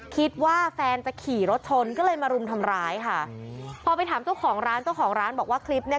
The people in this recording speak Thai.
คิดว่าแฟนจะขี่รถชนก็เลยมารุมทำร้ายค่ะพอไปถามเจ้าของร้านเจ้าของร้านบอกว่าคลิปเนี้ย